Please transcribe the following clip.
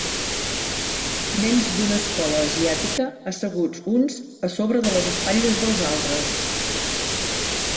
Nens d'una escola asiàtica asseguts uns a sobre de les espatlles dels altres.